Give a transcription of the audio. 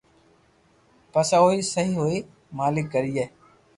پسو بي سھي ھوئي مالڪ ڪرئي